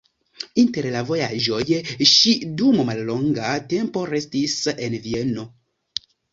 Inter la vojaĝoj ŝi dum mallonga tempo restis en Vieno.